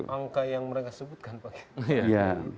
itu angka yang mereka sebutkan pak ya